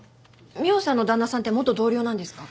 美緒さんの旦那さんって元同僚なんですか？